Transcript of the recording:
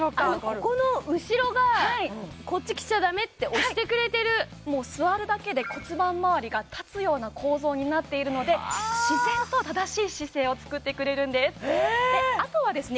ここの後ろがこっち来ちゃダメって押してくれてるもう座るだけで骨盤周りが立つような構造になっているので自然と正しい姿勢をつくってくれるんですえっあとはですね